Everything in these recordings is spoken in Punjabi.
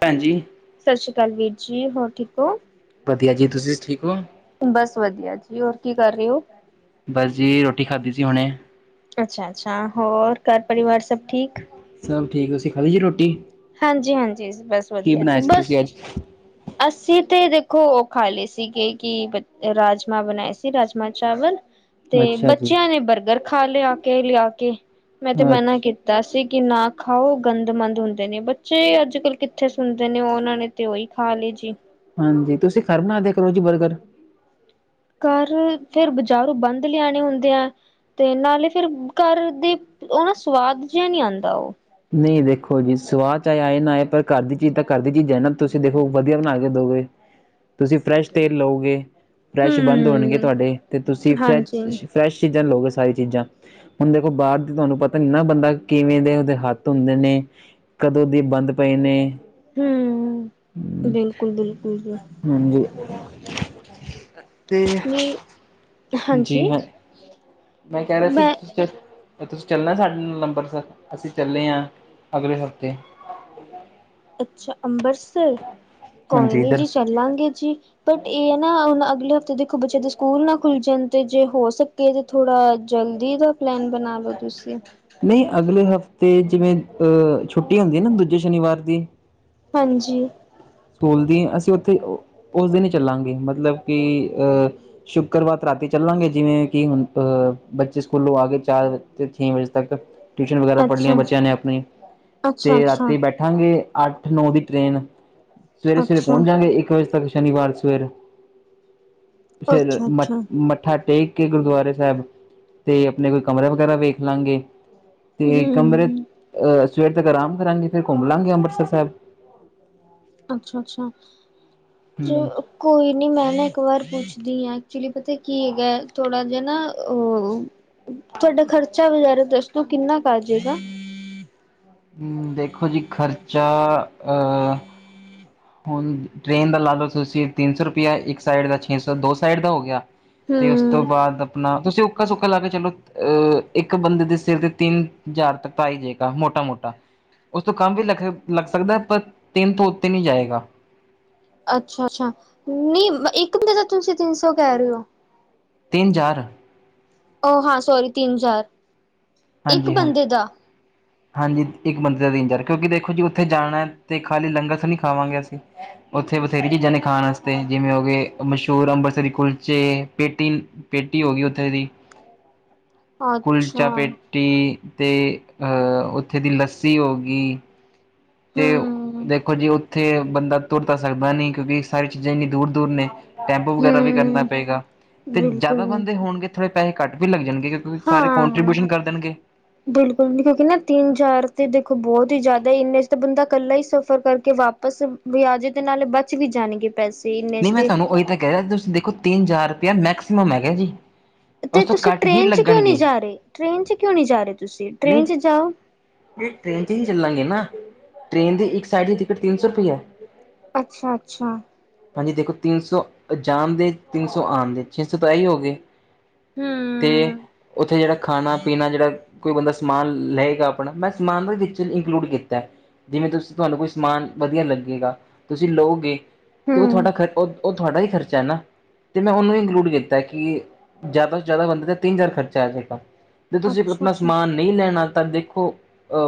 ਭੈਣ ਜੀ, ਸਤਿ ਸ਼੍ਰੀ ਅਕਾਲ ਵੀਰ ਜੀ ਹੋਰ ਠੀਕ ਹੋ? ਵਧੀਆ ਜੀ ਤੁਸੀਂ ਠੀਕ ਹੋ? ਬਸ ਵਧੀਆ ਜੀ ਹੋਰ ਕੀ ਕਰ ਰਹੇ ਹੋ? ਬਸ ਜੀ ਰੋਟੀ ਖਾਧੀ ਸੀ ਹੁਣੇ। ਅੱਛਾ-ਅੱਛਾ ਹੋਰ ਘਰ ਪਰਿਵਾਰ ਸਭ ਠੀਕ? ਸਭ ਠੀਕ ਤੁਸੀਂ ਖਾਲੀ ਜੀ ਰੋਟੀ? ਹਾਂਜੀ-ਹਾਂਜੀ, ਬਸ ਕੀ ਵਧੀਆ ਜੀ ਬਣਾਇਆ ਸੀ ਬਸ ਤੁਸੀਂ ਅੱਜ? ਅਸੀਂ ਤੇ ਦੇਖੋ ਉਹ ਖਾ ਲਏ ਸੀਗੇ ਕਿ ਰਾਜਮਾਹ ਬਣਾਏ ਸੀ ਰਾਜਮਾਹ ਚਾਵਲ। ਤੇ ਅੱਛਾ ਜੀ। ਬੱਚਿਆਂ ਨੇ ਬਰਗਰ ਖਾ ਲਿਆ ਕੇ ਲਿਆ ਕੇ, ਮੈ ਤੇ ਮਨਾ ਅੱਛ ਕੀਤਾ ਕੀਤਾ ਸੀ ਕਿ ਨਾ ਖਾਓ ਗੰਦਮੰਦ ਹੁੰਦੇ ਨੇ ਬੱਚੇ ਅੱਜ ਕੱਲ੍ਹ ਕਿੱਥੇ ਸੁਣਦੇ ਨੇ ਉਹਨਾਂ ਨੇ ਤੇ ਉਹੀ, ਖਾਲੀ ਜੀ। ਹਾਂਜੀ, ਤੁਸੀਂ ਘਰ ਬਣਾ ਦਿਆ ਕਰੋ ਜੀ ਬਰਗਰ। ਘਰ ਫੇਰ ਬਾਜ਼ਾਰੋ ਬੰਦ ਲਿਆਣੇ ਹੁੰਦੇ ਆ। ਤੇ ਨਾਲੇ ਫੇਰ ਘਰ ਦੇ ਉਹ ਨਾ ਸਵਾਦ ਜਿਹਾ ਨਹੀਂ ਆਉਂਦਾ ਉਹ। ਨਹੀ ਦੇਖੋ ਜੀ ਸਵਾਦ ਚਾਹੇ ਆਏ ਨਾ ਆਏ ਪਰ ਘਰ ਦੀ ਚੀਜ ਤਾਂ ਘਰ ਦੀ ਚੀਜ ਹੈ ਨਾ ਤੁਸੀ ਦੇਖੋ ਵਧੀਆ ਬਣਾ ਕੇ ਦੋਗੇ। ਤੁਸੀਂ ਫਰੈਸ਼ ਤੇਲ ਲਓਗੇ, ਫਰੈਸ਼ ਬੰਦ ਹੋਣਗੇ ਹੂੰ, ਤੁਹਾਡੇ, ਤੇ ਤੁਸੀ ਹਾਂਜੀ, ਫਰੈਸ਼ ਫਰੈਸ਼ ਚੀਜ਼ਾਂ ਲਓਗੇ ਸਾਰੀ ਚੀਜ਼ਾਂ ਹੁਣ ਦੇਖੋ ਬਾਹਰ ਦੀ ਤੁਹਾਨੂੰ ਪਤਾ ਨੀ ਨਾ ਬੰਦਾ ਕਿਵੇਂ ਦੇ ਉਹਦੇ ਹੱਥ, ਹੱਥ ਹੁੰਦੇ ਨੇ, ਕਦੋਂ ਦੀ ਬੰਦ ਪਏ ਨੇ। ਹੂੰ, ਬਿਲਕੁਲ-ਬਿਲਕੁਲ ਜੀ। ਹਾਂਜੀ, ਤੇ, ਨੀ ਹਾਂਜੀ ਜੀ ਹੈ ਮੈਂ ਕਹਿ ਰਿਹਾ ਸੀ, ਤੁਸੀਂ ਚਲਣਾ ਸਾਡੇ ਨਾਲ ਅੰਮ੍ਰਿਤਸਰ ਅਸੀ ਚਲੇ ਹਾਂ, ਅਗਲੇ ਹਫ਼ਤੇ, [inaudible] ਅਛਾ ਅੰਮ੍ਰਿਤਸਰ ਜੀ ਕੋਈ ਹਾਂਜੀ ਨੀ ਇੱਧਰ ਜੀ ਚੱਲਾਗੇ ਜੀ- ਇਹ ਨਾ ਹੁਣ ਅਗਲੇ ਹਫ਼ਤੇ ਦੇਖੋ ਬੱਚੇ ਦੇ ਸਕੂਲ ਨਾ ਖੁੱਲ ਜਾਣ ਤੇ ਜੇ ਹੋ ਸਕੇ ਥੋੜਾ ਜਲਦੀ ਦਾ ਪਲੈਨ ਬਣਾ ਲੋ ਤੁਸੀ ਨਹੀਂ ਅਗਲੇ ਹਫ਼ਤੇ, ਜਿਵੇਂ ਅਹ ਛੁੱਟੀ ਹੁੰਦੀ ਨਾ ਦੂਜੇ ਸ਼ਨੀਵਾਰ ਦੀ‌ ਹਾਂਜੀ- ਸਕੂਲ ਦੀ ਅਸੀ ਉਥੇ ਉਸ ਦਿਨ ਹੀ ਚੱਲਾਗੇ ਮਤਲਬ ਕਿ ਅਹ- ਸ਼ੁਕਰਵਾਰ ਰਾਤੀ ਚਲਾਗੇ ਜਿਵੇ ਕਿ ਹੁਣ ਅਹ ਬੱਚੇ ਸਕੂਲੋ ਆ ਕੇ ਚਾਰ ਤੇ ਛੇ ਵਜੇ ਤਕ- ਟਿਊਸ਼ਨ ਵਗੈਰਾ ਪੜ੍ਹਨੀਆਂ ਅੱਛਾ-ਅੱਛਾ, ਬੱਚਿਆਂ ਨੇ ਆਪਣੀ ਅਤੇ ਅੱਛਾ-ਅੱਛਾ, ਰਾਤੀ ਬੈਠਾਂਗੇ ਅੱਠ -ਨੌ, ਦੀ ਟਰੇਨ‌ ਸਵੇਰੇ-ਸਵੇਰੇ ਅੱਛਾ, ਪਹੁੰਚ ਜਾਂਗੇ ਇੱਕ ਵਜੇ ਤੱਕ ਸ਼ਨੀਵਾਰ ਸਵੇਰ ਫੇਰ ਮ ਅੱਛਾ-ਅੱਛਾ ਮੱਠਾ ਟੇਕ ਕੇ ਗੁਰਦੁਆਰੇ ਸਾਹਿਬ ਤੇ ਆਪਣੇ ਕੋਈ ਕਮਰਾ ਵਗੈਰਾ ਵੇਖ ਲਾਂਗੇ ਤੇ ਕਮਰੇ ਹੂੰ, ਅਹ ਸਵੇਰ ਤੱਕ ਆਰਾਮ ਕਰਾਂਗੇ ਫਿਰ ਘੁੰਮ ਲਵਾਂਗੇ ਅੰਮ੍ਰਿਤਸਰ ਸਾਹਿਬ ਜੀ। ਅਛਾ- ਅਛਾ ਕੋਈ ਨੀ ਮੈ ਨਾ ਇਕ ਵਾਰ ਪੁੱਛਦੀ ਹਾਂ। ਐਕਚੁਲੀ ਪਤਾ ਕੀ ਹੈਗਾ ਥੋੜਾ, ਜਿਹਾ ਨਾ ਅ ਤੁਹਾਡਾ ਖ਼ਰਚਾ ਵਗੈਰਾ ਦੱਸ ਤੂੰ ਕਿੰਨਾ ਕਰ ਜੇਗਾ। ਹਮ ਦੇਖੋ ਜੀ ਖਰਚਾ ਅਹ। ਹੁਣ ਟ੍ਰੇਨ ਦਾ ਲਾ ਲਓ ਤੁਸੀਂ ਤਿੰਨ ਸੌ ਰੁਪਇਆ ਇੱਕ ਸਾਈਡ ਦਾ ਛੇ ਸੌ ਦੋ ਸਾਈਡ ਦਾ ਹੋ ਗਿਆ। ਤੇ ਉਸ ਤੋ ਹੂੰ, ਬਾਅਦ ਆਪਣਾ ਤੁਸੀ ਉਕਾ ਸੁਕਾ ਲਾ ਕੇ ਚਲੋ ਅਹ ਇਕ- ਇੱਕ ਬੰਦੇ ਦੇ ਸਿਰ ਤੇ ਤਿੰਨ ਹਜ਼ਾਰ ਤ ਤਾਈ ਜੇਗਾ ਮੋਟਾ ਮੋਟਾ। ਉਸ ਤੋ ਕਮ ਵੀ ਲੱਗ ਸਕਦਾ ਪਰ ਤਿੰਨ ਤੋ ਉਤੇ ਨਹੀਂ ਜਾਏਗਾ। ਅੱਛਾ- ਅੱਛਾ ਨਹੀਂ ਇਕ ਮਹੀਨੇ ਦਾ ਤਾਂ ਤੁਸੀ ਤਿੰਨ ਸੌ ਕਹਿ ਰਹੇ ਹੋ। ਤਿੰਨ- ਚਾਰ। ਉਹ ਹਾਂ ਸੋਰੀ ਤਿੰਨ-ਚਾਰ ਹਾਂਜੀ ਹਾਂ- ਹਾਂਜੀ ਇਕ ਬੰਦੇ ਦਾ ਦਿਨਚਾਰ ਕਿਉਕਿ ਦੇਖੋ ਜੀ ਉਥੇ ਜਾਣਾ ਤੇ ਖਾਲੀ ਲੰਗਰ ਨੀ ਖਾਵਾਂਗੇ ਅਸੀ- ਉਥੇ ਬਥੇਰੀ ਚੀਜਾ ਨੇ ਖਾਨ ਵਾਸਤੇ ਜਿਵੇ ਹੋ ਗਏ ਮਸ਼ਹੂਰ ਅੰਬਰਸਰੀ ਕੁਲਚੇ ਪੇਟੀਜ- ਪੇਟੀ ਹੋ ਗਈ ਉੱਥੇ ਦੀ। ਕੁੱਲਚਾ ਅੱਛਾ। ਪੇਟੀ ਤੇ ਅਹ ਉੱਥੇ ਦੀ ਲੱਸੀ ਹੋ ਗਈ। ਤੇ ਹੂੰ, ਦੇਖੋ ਜੀ ਉੱਥੇ ਬੰਦਾ ਤੁਰ ਤਾਂ ਸਕਦਾ ਨਹੀਂ ਕਿਉਂਕਿ ਸਾਰੀ ਚੀਜ਼ਾਂ ਇੰਨੀ ਦੂਰ, ਦੂਰ ਨੇ ਟੈਂਪੂ ਵਗੈਰਾ ਵੀ ਕਰਨਾ ਹੂੰ ਪਏਗਾ, ਤੇ ਜ਼ਿਆਦਾ ਬੰਦੇ ਬਿਲਕੁਲ-ਬਿਲਕੁਲ ਹੋਣਗੇ ਥੋੜੇ ਪੈਸੇ ਘੱਟ ਵੀ ਲੱਗ ਜਾਣਗੇ ਕਿਉਂ। ਸਾਰੇ ਹਾਂ। ਕੋਂਟਰੀਬਿਊਸ਼ਨ ਕਰ ਦੇਣਗੇ। ਬਿਲਕੁਲ! ਕਿਉਂਕਿ ਨਾ ਤਿੰਨ- ਚਾਰ ਤੇ ਦੇਖੋ, ਬਹੁਤ ਹੀ ਜ਼ਿਆਦਾ ਇੰਨੇ ਚ, ਤਾਂ ਬੰਦਾ ਇਕੱਲਾ ਹੀ ਸਫ਼ਰ ਕਰਕੇ ਵਾਪ ਬਸ ਕੋਈ ਆਜੇ ਤੇ ਨਾਲੇ ਬਚ ਵੀ ਜਾਣਗੇ। ਪੈਸੇ ਇੰਨੇ ਨਹੀਂ ਚ ਮੈਂ ਤੇ ਤੁਹਾਨੂੰ ਉਹੀ ਤਾਂ ਕਹਿ ਰਿਹਾ, ਤੁਸੀਂ ਦੇਖੋ ਤਿੰਨ -ਹਜ਼ਾਰ ਰੁਪਇਆ ਮੈਕਸੀਮਮ ਹੈਗਾ ਜੀ। ਅਤੇ ਉਸ ਤੋਂ ਤੁਸੀਂ ਘੱਟ ਹੀ ਟ੍ਰੇਨ 'ਚ ਕਿਉਂ ਨਹੀਂ ਲੱਗਣਗੇ ਜਾ ਰਹੇ, ਟ੍ਰੇਨ 'ਚ ਕਿਉਂ ਨਹੀਂ ਜਾ ਰਹੇ, ਤੁਸੀਂ ਟ੍ਰੇਨ ਨਹੀਂ 'ਚ ਜਾਓ। ਟ੍ਰੇਨ ਤੇ ਹੀ ਚੱਲਾਂਗੇ, ਨਾ ਟ੍ਰੇਨ ਦੀ ਇੱਕ ਸਾਈਡ ਦੀ ਟਿਕਟ ਤਿੰਨ ਸੌ ਰੁਪਈਆ ਹੈ। ਅੱਛਾ ਅੱਛਾ ਹਾਂਜੀ। ਦੇਖੋ, ਤਿੰਨ ਸੌ ਜਾਣਦੇ, ਤਿੰਨ ਸੌ ਆਉਣ ਦੇ ਛੇ ਸੌ ਤਾਂ ਇਹੀ ਹੋ ਗਏ। ਤੇ ਹਮ ਉੱਥੇ ਜਿਹੜਾ ਖਾਣਾ ਪੀਣਾ ਜਿਹੜਾ ਕੋਈ ਬੰਦਾ ਸਮਾਨ ਲਏਗਾ ਆਪਣਾ, ਮੈਂ ਸਮਾਨ ਵਿੱਚ ਇੰਕਲੂਡ ਕੀਤਾ। ਜਿਵੇਂ ਤੁਸੀਂ ਤੁਹਾਨੂੰ ਕੋਈ ਸਮਾਨ ਵਧੀਆ ਲੱਗੇਗਾ। ਤੁਸੀਂ ਲਓਗੇ ਤੇ ਉਹ ਹਮ ਤੁਹਾਡਾ ਖਰ ਉਹ ਤੁਹਾਡਾ ਹੀ ਖਰਚਾ ਨਾ। ਤੇ ਮੈਂ ਉਹਨੂੰ ਵੀ ਇੰਕਲੂਡ ਕੀਤਾ ਕਿ ਜ਼ਿਆਦਾ ਤੋਂ ਜ਼ਿਆਦਾ ਬੰਦੇ ਦਾ ਤਿੰਨ ਹਜ਼ਾਰ ਖਰਚਾ ਆ ਜਾਏਗਾ। ਜੇ ਤੁਸੀਂ ਅੱਛਾ ਆਪਣਾ ਅੱਛਾ ਸਮਾਨ ਨਹੀਂ, ਲੈਣਾ ਤਾਂ ਦੇਖੋ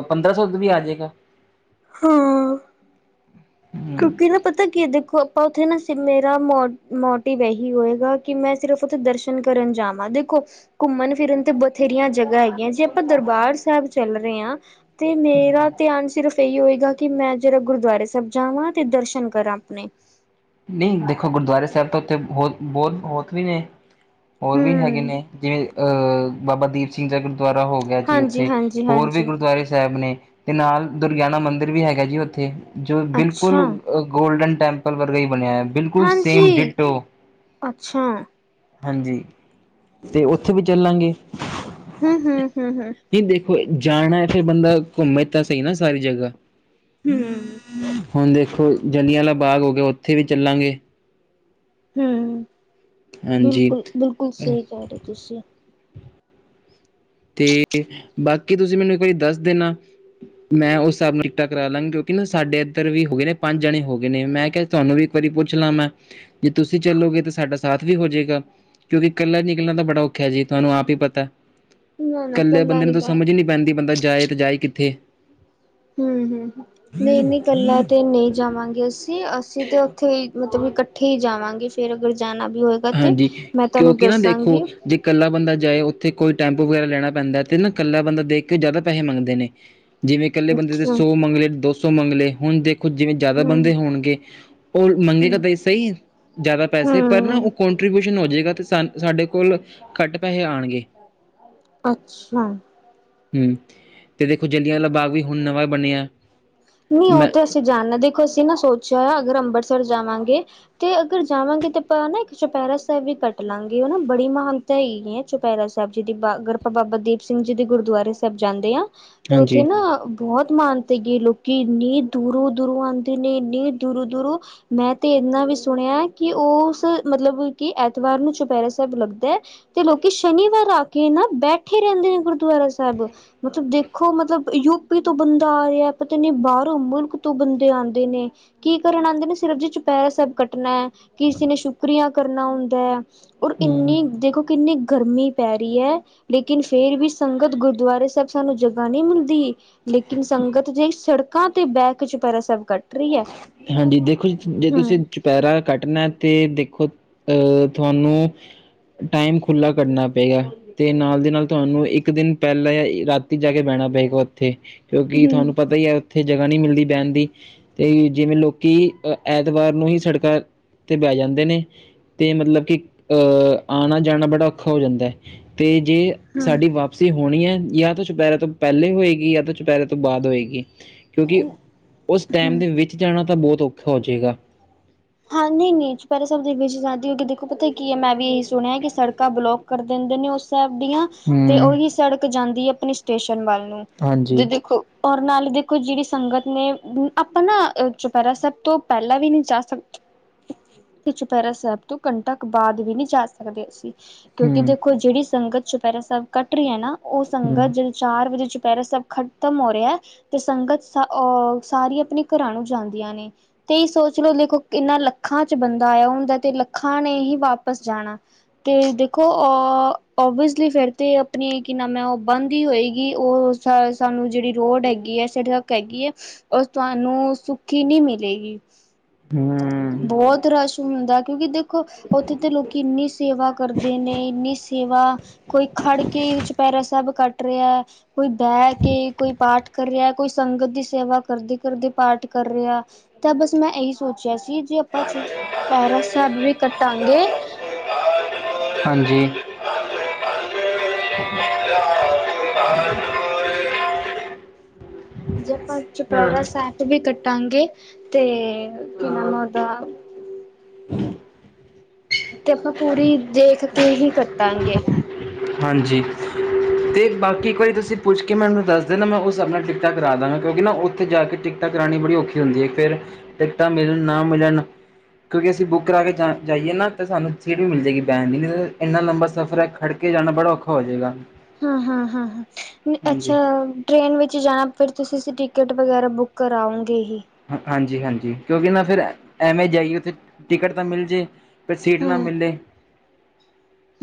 ਪੰਦਰਾਂ ਸੌ ਤੋਂ ਵੀ ਆ ਜਾਵੇਗਾ। ਹਮ ਹਮ ਕਿਉਂਕਿ ਨਾ ਪਤਾ ਕੀ ਹੈ ਦੇਖੋ ਆਪਾਂ ਉੱਥੇ ਨਾ ਮੇਰਾ ਮੋ ਮੋਟਿਵ ਇਹੀ ਹੋਏਗਾ। ਕਿ ਮੈਂ ਸਿਰਫ਼ ਉੱਥੇ ਦਰਸ਼ਨ ਕਰਨ ਜਾਵਾਂ ਦੇਖੋ, ਘੁੰਮਣ- ਫਿਰਨ ਤੇ ਬਥੇਰੀਆਂ ਜਗ੍ਹਾ ਹੈਗੀਆਂ ਜੇ ਆਪਾਂ ਦਰਬਾਰ ਸਾਹਿਬ ਚੱਲ ਦੇ ਆ। ਤੇ ਮੇਰਾ ਧਿਆਨ ਸਿਰਫ ਇਹੀ ਹੋਏਗਾ ਕਿ ਮੈਂ ਜਿਹੜਾ ਗੁਰਦੁਆਰੇ ਸਾਹਿਬ ਜਾਵਾਂ ਤੇ ਦਰਸ਼ਨ ਕਰਾਂ ਆਪਣੇ ਨਹੀਂ ਦੇਖੋ ਗੁਰਦੁਆਰੇ ਸਾਹਿਬ ਤਾਂ ਉੱਥੇ ਬਹੁ ਬਹੁਤ-ਬਹੁਤ ਵੀ ਨੇ, ਹੋਰ ਵੀ ਹੈਗੇ ਹਮ ਨੇ। ਜਿਵੇਂ ਅਹ ਬਾਬਾ ਦੀਪ ਸਿੰਘ ਦਾ ਗੁਰਦੁਆਰਾ ਹੋ ਗਿਆ ਜੀ ਹਾਂਜੀ ਉੱਥੇ ਹਾਂਜੀ ਹੋਰ ਵੀ ਹਾਂਜੀ ਗੁਰਦੁਆਰੇ ਸਾਹਿਬ ਨੇ, ਤੇ ਨਾਲ ਦੁਰਗਿਆਨਾ ਮੰਦਿਰ ਵੀ ਹੈਗਾ ਜੀ ਉੱਥੇ। ਜੋ ਬਿਲਕੁਲ ਅੱਛਾ ਗੋਲਡਨ ਟੈਂਪਲ ਵਰਗਾ ਹੀ ਬਣਿਆ ਐ। ਬਿਲਕੁਲ ਸੇਮ ਹਾਂਜੀ ਡਿਟੋ। ਅੱਛਾ ਹਾਂਜੀ, ਤੇ ਉੱਥੇ ਵੀ ਚੱਲਾਂਗੇ। ਹੂੰ-ਹੂੰ-ਹੂੰ, ਨਹੀਂ ਦੇਖੋ ਜਾਣਾ, ਫਿਰ ਬੰਦਾ ਘੁੰਮੇ ਤਾਂ ਸਹੀ ਨਾ ਸਾਰੀ ਜਗ੍ਹਾ‌। ਹੂੰ, ਹੁਣ ਦੇਖੋ ਜਲਿਆਂਵਾਲਾ ਬਾਗ ਹੋ ਗਿਆ, ਉੱਥੇ ਵੀ ਚੱਲਾਂਗੇ। ਹੂੰ, ਹਾਂਜੀ ਬਿਲਕੁਲ-ਬਿਲਕੁਲ, ਸਹੀ ਕਹਿ ਰਹੇ ਹੋ ਤੁਸੀਂ। ਤੇ ਬਾਕੀ ਤੁਸੀਂ ਮੈਨੂੰ ਇੱਕ ਵਾਰੀ ਦੱਸ ਦੇਣਾ। ਮੈਂ ਉਸ ਹਿਸਾਬ ਨੂੰ ਟਿਕਟਾਂ ਕਰਾਲਾਂਗਾ, ਕਿਉਂਕਿ ਨਾ ਸਾਡੇ ਇੱਧਰ ਵੀ ਹੋ ਗਏ ਨੇ ਪੰਜ ਜਣੇ ਹੋ ਗਏ ਨੇ, ਮੈਂ ਕਿਹਾ ਤੁਹਾਨੂੰ ਵੀ ਇੱਕ ਵਾਰੀ ਪੁੱਛ ਲਾਂ ਮੈਂ, ਜੇ ਤੁਸੀਂ ਚੱਲੋਗੇ ਤਾਂ ਸਾਡਾ ਸਾਥ ਵੀ ਹੋ ਜੇਗਾ, ਕਿਉਂਕਿ ਕੱਲਿਆਂ ਨਿਕਲਣਾ ਤਾਂ ਬੜਾ ਔਖਾ ਜੀ, ਤੁਹਾਨੂੰ ਆਪ ਈ ਪਤਾ। ਨਾ ਨਾ ਇਕੱਲੇ ਕੱਲਾ ਬੰਦੇ ਨੂੰ ਤਾਂ ਗਏ ਸਮਝ ਈ ਤੇ ਨੀ ਪੈਂਦੀ, ਬੰਦਾ ਜਾਏ ਤੇ ਜਾਏ ਕਿੱਥੇ। ਹੂੰ-ਹੂੰ, ਨਹੀਂ-ਨਹੀਂ ਇਕੱਲਾ ਤੇ ਨਹੀਂ ਜਾਵਾਂਗੇ ਅਸੀ। ਨਈ ਅਸੀਂ ਤੇ ਉੱਥੇ ਈ ਮਤਲਬ ਇਕੱਠੇ ਹੀ ਜਾਵਾਂਗੇ। ਫੇਰ ਅਗਰ ਜਾਣਾ ਵੀ ਹੋਏਗਾ, ਤੇ ਹਾਂਜੀ ਮੈਂ ਤੁਹਾਨੂੰ ਕਿਉਂਕਿ ਨਾ ਦੇਖੋ ਦੱਸਾਂਗੀ। ਜੇ ਇਕੱਲਾ ਬੰਦਾ ਜਾਏ ਉੱਥੇ ਕੋਈ ਟੈਂਪੂ ਵਗੈਰਾ ਲੈਣਾ ਪੈਂਦਾ, ਤੇ ਨਾ ਇਕੱਲਾ ਬੰਦਾ ਦੇਖ ਕੇ ਉਹ ਜ਼ਿਆਦਾ ਪੈਸੇ ਮੰਗਦੇ ਨੇ। ਜਿਵੇਂ ਇਕੱਲੇ ਬੰਦੇ ਦੇ ਅੱਛਾ, ਸੌ ਮੰਗਲੇ, ਦੋ ਸੌ ਮੰਗਲੇ, ਹੁਣ ਦੇਖ ਜਿਵੇਂ ਜਿਆਦਾ ਬੰਦੇ ਹੂੰ-ਹੂੰ, ਹੋਣਗੇ, ਉਹ ਮੰਗੇਗਾ ਤਾਂ ਸਹੀ ਜਿਆਦਾ ਪੈਸੇ, ਪਰ ਨਾ ਹੂੰ, ਕੋਂਟਰੀਬਿਊਸ਼ਨ ਹੋ ਜੇਗਾ, ਤੇ ਸਾਡੇ ਕੋਲ ਘੱਟ ਪੈਸੇ ਆਣਗੇ। ਅੱਛਾ। ਹੂੰ, ਤੇ ਦੇਖੋ ਜਲਿਆਂਵਾਲਾ ਬਾਗ ਵੀ ਹੁਣ ਨਵਾਂ ਬਣਿਆ। ਨਹੀਂ ਉਹ ਮੈਂ ਤਾਂ ਅਸੀਂ ਜਾਣਨਾ, ਦੇਖੋ ਅਸੀਂ ਨਾ ਸੋਚਿਆ ਹੋਇਆ ਅਗਰ ਅੰਬਰਸਰ ਜਾਵਾਂਗੇ ਤੇ ਅਗਰ ਜਾਵਾਂਗੇ ਤੇ ਆਪਾ ਇੱਕ ਚੁਪਹਿਰਾ ਸਾਹਿਬ ਵੀ ਕੱਟ ਲਾਂਗੇ ਹਨਾ, ਬੜੀ ਮਹਾਨ ਤਾਂ ਹੀ ਹੈ, ਚੌਪੈਰਾ ਸਾਹਿਬ ਜੀ ਦੀ ਗਰਪਾ ਬਾਬਾ ਦੀਪ ਸਿੰਘ ਜੀ ਦੇ ਗੁਰਦੁਆਰੇ ਸਾਹਿਬ ਜਾਂਦੇ ਆਂ ਤੇ ਉੱਥੇ ਹਾਂਜੀ ਨਾ ਬਹੁਤ ਮਹਾਨਤਾ ਹੈਗੀ ਏ, ਲੋਕ ਕੀ ਇੰਨੀ ਦੂਰੋਂ-ਦੂਰੋਂ ਆਂਦੇ ਨੇ, ਇੰਨੀ ਦੂਰੋਂ-ਦੂਰੋ ਮੈਂ ਤੇ ਏਨਾ ਵੀ ਸੁਣਿਆ, ਕਿ ਓਸ ਮਤਲਬ ਕਿ ਐਤਵਾਰ ਨੂੰ ਚੁਪਹਿਰਾ ਸਾਹਿਬ ਲੱਗਦਾ ਐ। ਤੇ ਲੋਕੀ ਸ਼ਨੀਵਾਰ ਆ ਕੇ ਨਾ ਬੈਠੇ ਰਹਿੰਦੇ ਨੇ ਗੁਰਦੁਆਰਾ ਸਾਹਿਬ। ਮਤਲਬ ਦੇਖੋ, ਮਤਲਬ ਯੂਪੀ ਤੋਂ ਬੰਦਾ ਆ ਰਿਹਾ। ਪਤਾ ਨੀ ਬਾਹਰੋਂ ਮੁਲਕ ਤੋਂ ਬੰਦੇ ਆਂਦੇ ਨੇ, ਕੀ ਕਰਨ ਆਂਦੇ ਨੇ, ਸਿਰਫ ਜੀ ਚੁਪਹਿਰਾ ਸਾਹਿਬ ਕੱਟਣਾ ਐ। ਕਿਸੀ ਨੇ ਸ਼ੁਕਰੀਆ ਕਰਨਾ ਹੁੰਦਾ ਐ, ਔਰ ਇੰਨੀ ਦੇਖੋ ਕਿੰਨੀ ਗਰਮੀ ਪੈ ਰਈ ਐ, ਲੇਕਿਨ ਫੇਰ ਵੀ ਸੰਗਤ ਗੁਰਦੁਆਰੇ ਸਾਹਿਬ ਸਾਨੂੰ ਜ ਜਗਾਂ ਨੀ ਮਿਲਦੀ, ਲੇਕਿਨ ਸੰਗਤ ਦੇ ਸੜਕਾਂ ਤੇ ਬਹਿ ਕੇ ਚਪਹਿਰਾ ਸਾਹਿਬ ਕੱਟ ਰਹੀ ਐ ਹਾਂਜੀ, ਦੇਖੋ ਜੀ ਜੇ ਹੂੰ ਤੁਸੀਂ ਚ ਚੌਪੈਰਾ ਕੱਟਣਾ, ਤੇ ਦੇਖੋ ਅਹ ਤੁਹਾਨੂੰ ਟਾਈਮ ਖੁੱਲਾ ਕਰਨਾ ਪਏਗਾ। ਤੇ ਨਾਲ ਦੀ ਨਾਲ ਤੁਹਾਨੂੰ ਇੱਕ ਦਿਨ ਪਹਿਲਾਂ ਰਾਤੀ ਜਾ ਕੇ ਬਹਿਣਾ ਪਏਗਾ ਉੱਥੇ। ਕਿਉਂਕਿ ਤੁਹਾਨੂੰ ਹੂੰ ਪਤਾ ਹੀ ਐ, ਉੱਥੇ ਜਗ੍ਹਾ ਨੀ ਮਿਲਦੀ ਬਹਿਣ ਦੀ। ਤੇ ਜਿਵੇਂ ਲੋਕੀ ਐਤਵਾਰ ਨੂੰ ਹੀ ਸੜਕਾਂ ਤੇ ਬਹਿ ਜਾਂਦੇ ਨੇ। ਤੇ ਮਤਲਬ ਕਿ ਅਹ ਆਣਾ ਜਾਣਾ ਬੜਾ ਔਖਾ ਹੋ ਜਾਂਦਾ ਐ, ਤੇ ਜੇ ਸਾਡੀ ਵਾਪਸੀ ਹੋਣੀ ਐ, ਜਾਂ ਤਾਂ ਚੁਪਹਿਰੇ ਤੋਂ ਪਹਿਲੇ ਹੋਏਗੀ, ਜਾਂ ਤਾਂ ਚੁਪਹਿਰੇ ਤੋਂ ਬਾਅਦ ਹੋਏਗੀ। ਕਿਉਂਕਿ ਉਸ ਟੈਮ ਦੇ ਵਿੱਚ ਜਾਣਾ ਤਾਂ ਬਹੁਤ ਔਖਾ ਹੋ ਜੇਗਾ। ਹਾਂ, ਨਹੀਂ-ਨਹੀਂ ਚੁਪਹਿਰੇ ਸਾਹਿਬ ਦੇ ਵਿੱਚ ਜ਼ਾਦੀ ਹੋ ਗਈ, ਦੇਖੋ ਪਤਾ ਕੀ ਐ, ਮੈਂ ਵੀ ਇਹੀ ਸੁਣਿਆ ਕਿ ਸੜਕਾਂ ਬਲੋਕ ਕਰ ਦਿੰਦੇ ਨੇ, ਉਸ ਸਾਹਿਬ ਦੀਆਂ, ਤੇ ਹੂੰ ਉਹੀ ਸੜਕ ਜਾਂਦੀ ਹੈ ਆਪਣੀ ਸਟੇਸ਼ਨ ਵੱਲ ਨੂੰ, ਹਾਂਜੀ ਤੇ ਦੇਖੋ ਔਰ ਨਾਲੇ ਦੇਖੋ ਜਿਹੜੀ ਸੰਗਤ ਨੇ, ਆਪਾਂ ਨਾ ਚੁਪਹਿਰਾ ਸਾਹਿਬ ਤੋਂ ਪਹਿਲਾਂ ਵੀ ਨੀ ਜਾ ਸਕਦੇ। ਤੇ ਚੁਪਹਿਰਾ ਸਾਹਿਬ ਤੋਂ ਘੰਟਾ ਕ ਬਾਅਦ ਵੀ ਨੀ ਜਾ ਸਕਦੇ ਅਸੀਂ। ਕਿਉਂਕਿ ਹੂੰ ਦੇਖੋ। ਜਿਹੜੀ ਸੰਗਤ ਚੁਪਹਿਰਾ ਸਾਹਿਬ ਕੱਟ ਰਹੀ ਹੈ ਨਾ, ਉਹ ਹੂੰ ਸੰਗਤ ਚਾਰ ਵਜੇ ਚੁਪਹਿਰਾ ਸਭ ਖ਼ਤਮ ਹੋ ਰਿਹਾ। ਤੇ ਸੰਗਤ ਅਹ ਸਾਰੀ ਆਪਣੇ ਘਰਾਂ ਨੂੰ ਜਾਂਦੀਆਂ ਨੇ, ਤੇ ਇਹ ਸੋਚ ਲਓ, ਦੇਖੋ। ਇਹਨਾਂ ਲੱਖਾਂ 'ਚ ਬੰਦਾ ਆਇਆ ਹੁੰਦਾ ਤੇ ਲੱਖਾਂ ਨੇ ਹੀ ਵਾਪਿਸ ਜਾਣਾ। ਤੇ ਦੇਖੋ ਅ, ਓਵੀਅਸਲੀ ਫੇਰ ਤੇ, ਆਪਣੀ ਕੀ ਨ ਮੈਂ ਉਹ ਬੰਦ ਹੀ ਹੋਏਗੀ, ਉਹ। ਤਹ ਸਾਨੂੰ ਜਿਹੜੀ ਰੋਡ ਹੈਗੀ ਹੈ, ਸੜਕ ਹੈਗੀ ਹੈ, ਉਹ ਤੁਹਾਨੂੰ, ਸੁੱਖੀ ਨਹੀਂ ਮਿਲੇਗੀ। ਹੂੰ ਬਹੁਤ ਰਸ਼ ਹੁੰਦਾ। ਕਿਉਂਕਿ ਦੇਖੋ, ਉੱਥੇ ਤਾਂ ਲੋਕੀ ਇੰਨੀ ਸੇਵਾ ਕਰਦੇ ਨੇ, ਇੰਨੀ ਸੇਵਾ ਕੋਈ ਖੜ ਕੇ ਚੁਪੈਹਿਰਾ ਸਹਿਬ ਕੱਟ ਰਿਹਾ, ਕੋਈ ਬਹਿ ਕੇ, ਕੋਈ ਪਾਠ। ਕਰ ਰਿਹਾ। ਕੋਈ ਸੰਗਤ ਦੀ ਸੇਵਾ ਕਰਦੇ- ਕਰਦੇ ਪਾਠ ਕਰ ਰਿਹਾ, ਤਾਂ ਬੱਸ ਮੈਂ ਇਹੀ ਸੋਚਿਆ ਸੀ। ਜੇ ਆਪਾਂ ਚੁਪਹਿਰਾ ਸਾਹਿਬ ਵੀ ਕਟਾਂਗੇ। ਹਾਂਜੀ। ਜਪਨ ਚੁਪਹਿਰਾ ਸਾਹਿਬ ਵੀ ਕੱਟਾਂਗੇ ਤੇ, ਕੀ ਨਾਮ ਉਹਦਾ ਤੇ ਆਪਾਂ ਪੂਰੀ, ਦੇਖ ਕੇ ਹੀ ਕੱਟਾਂਗੇ। ਹਾਂਜੀ। ਤੇ ਬਾਕੀ ਇੱਕ ਵਾਰੀ ਤੁਸੀਂ ਪੁੱਛ ਕੇ ਮੈਨੂੰ ਦੱਸ ਦੇਣਾ, ਮੈਂ ਉਸ ਹਿਸਾਬ ਨਾਲ ਟਿਕਟਾਂ ਕਰਾ ਦਵਾਂਗਾ। ਕਿਉਂਕਿ ਨਾ ਉੱਥੇ ਜਾ ਕੇ ਟਿਕ ਟਿਕਟਾਂ ਕਰਾੳਣੀ ਬੜੀ ਔਖੀ ਹੁੰਦੀ ਹੈ ਫੇਰ, ਟਿਕਟਾਂ ਮਿਲਣ ਨਾ ਮਿਲਣ। ਕਿਉਂਕਿ। ਅਸੀਂ ਬੁੱਕ ਕਰਾ ਕੇ ਜਾ ਜਾਈਏ ਨਾ, ਤਾਂ ਸਾਨੂੰ ਸੀਟ ਵੀ ਮਿਲ ਜਾਏਗੀ ਬਹਿਣ ਦੀ, ਇੰਨਾ ਲੰਬਾ ਸਫ਼ਰ ਹੈ। ਖੜਕੇ ਜਾਣਾ ਬੜਾ ਔਖਾ ਹੋ ਜਾਏਗਾ। ਹਾਂ, ਹਾਂ, ਹਾਂ, ਹਾਂ ਹਾਂਜੀ ਅੱਛਾ। ਟ੍ਰਰੇਨ ਵਿੱਚ ਜਾਣਾ, ਫਿਰ ਤੁਸੀਂ ਟਿਕਟ ਵਗੈਰਾ ਬੁੱਕ ਕਰਾਉਣਗੇ ਹੀ ਹਾਂਜੀ -ਹਾਂਜੀ। ਕਿਉਂਕਿ ਨਾ ਫਿਰ, ਐਵੇਂ ਜਾਈਏ, ਟਿਕਟ ਤਾਂ ਮਿਲ ਜੇ ਪਰ ਸੀਟ ਨਾ ਹੂੰ ਮਿਲੇ।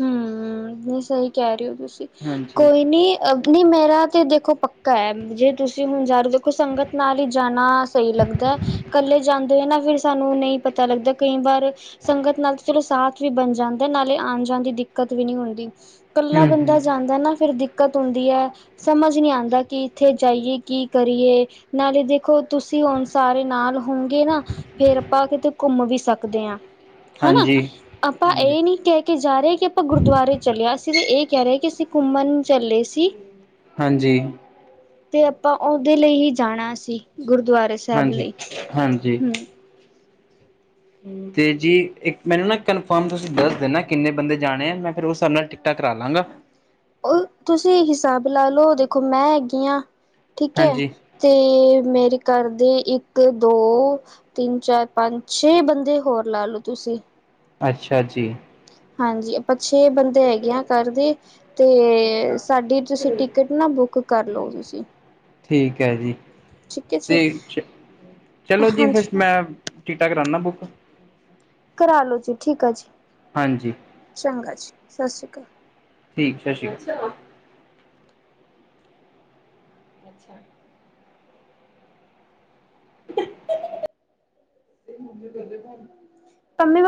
ਹਮ, ਨਹੀਂ ਸਹੀ ਕਹਿ ਰਹੇ ਹੋ ਤੁਸੀਂ, ਹਾਂਜੀ ਕੋਈ ਨੀ ਐਕਚੂਲੀ ਮੇਰਾ ਤੇ ਦੇਖੋ ਪੱਕਾ ਹੈ, ਜੇ ਤੁਸੀਂ ਹੁਣ ਜਾ ਰਹੇ, ਦੇਖੋ ਸੰਗਤ ਨਾਲ ਹੀ ਜਾਣਾ। ਸਹੀ ਲੱਗਦਾ, ਇਕੱਲੇ ਜਾਂਦੇ ਹੋ ਨਾ, ਫਿਰ ਸਾਨੂੰ ਨਹੀਂ ਪਤਾ ਲੱਗਦਾ ਕਈ ਵਾਰ ਸੰਗਤ ਨਾਲ ਚਲੋ ਸਾਥ ਵੀ ਬਣ ਜਾਂਦਾ, ਨਾਲੇ ਆਉਣ 'ਚ ਜਾਣ ਦੀ ਦਿੱਕਤ ਵੀ ਨਹੀਂ ਹੁੰਦੀ, ਇਕੱਲਾ ਹੂੰ ਬੰਦਾ ਹੂੰ ਜਾਂਦਾ ਨਾ, ਫਿਰ ਦਿੱਕਤ ਹੁੰਦੀ ਹੈ। ਸਮਝ ਨਹੀਂ ਆਉਂਦਾ ਕਿ, ਕਿੱਥੇ ਜਾਈਏ, ਕੀ ਕਰੀਏ। ਨਾਲੇ ਦੇਖੋ, ਤੁਸੀਂ ਹੁਣ ਸਾਰੇ ਨਾਲ ਹੋਂਗੇ ਨਾ, ਫੇਰ ਆਪਾਂ ਕਿਤੇ ਘੁੰਮ ਵੀ ਸਕਦੇ ਹਾਂ, ਹਨਾ, ਹਾਂਜੀ ਆਪਾਂ ਹਾਂਜੀ ਇਹ ਨੀ ਕਹਿ ਕੇ ਜਾ ਰਹੇ ਕਿ ਆਪਾਂ ਗੁਰਦੁਆਰੇ ਚੱਲਿਆ, ਅਸੀਂ ਤੇ ਇਹ ਕਹਿ ਰਹੇ ਕਿ ਅਸੀਂ ਘੁੰਮਣ ਚੱਲੇ ਸੀ। ਹਾਂਜੀ ਤੇ ਆਪਾਂ ਉਹਦੇ ਲਈ ਹੀ ਜਾਣਾ ਸੀ, ਗੁਰਦੁਆਰੇ ਸਾਹਿਬ ਹਾਂਜੀ ਲਈ, ਹਾਂਜੀ ਹੂੰ, ਤੇ ਜੀ, ਇੱਕ ਮੈਨੂੰ ਨਾ ਕਨਫਰਮ ਤੁਸੀਂ ਦੱਸ ਦੇਣਾ ਕਿੰਨੇ ਬੰਦੇ ਜਾਣੇ ਆ, ਮੈਂ ਫਿਰ ਉਸ ਹਿਸਾਬ ਨਾਲ, ਟਿਕਟਾ ਕਰਾ ਲਵਾਂਗਾ। ਉਹ ਤੁਸੀਂ ਹਿਸਾਬ ਲਾ ਲਓ ਦੇਖੋ ਮੈਂ ਹੈਗੀ ਹਾਂ, ਠੀਕ ਹੈ। ਹਾਂਜੀ ਤੇ ਮੇਰੇ ਘਰ ਦੇ, ਇੱਕ- ਦੋ ਤਿੰਨ, ਚਾਰ, ਪੰਜ, ਛੇ ਬੰਦੇ ਹੋਰ ਲਾ ਲਓ ਤੁਸੀਂ ਅੱਛਾ ਜੀ। ਹਾਂਜੀ, ਆਪਾਂ ਛੇ ਬੰਦੇ ਹੈਗੇ ਆ ਘਰ ਦੇ, ਤੇ, ਸਾਡੀ ਤੁਸੀਂ ਟਿਕਟ ਨਾ ਬੁੱਕ ਕਰ ਲਓ ਤੁਸੀਂ? ਠੀਕ ਹੈ ਜੀ, ਠੀਕ ਹੈ ਜੀ ਤੇ ਚਲੋ ਜੀ ਫਿਰ ਹਾਂਜੀ ਮੈਂ ਟਿਕਟਾ ਕਰਵਾਉਂਦਾ ਬੁੱਕ, ਕਰਾ ਲਓ ਜੀ, ਠੀਕ ਐ ਜੀ, ਹਾਂਜੀ, ਚੰਗਾ ਜੀ, ਸਤਿ ਸ੍ਰੀ ਅਕਾਲ, ਠੀਕ ਜੀ ਅੱਛਾ, [unintelligible] [unintelligible]